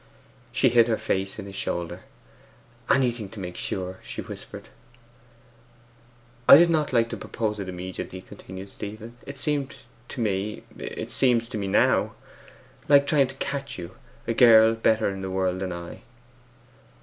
She hid her face on his shoulder. 'Anything to make SURE!' she whispered. 'I did not like to propose it immediately,' continued Stephen. 'It seemed to me it seems to me now like trying to catch you a girl better in the world than I.